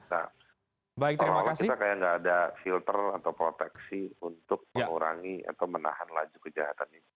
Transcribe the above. nah seolah olah kita kayak nggak ada filter atau proteksi untuk mengurangi atau menahan laju kejahatan ini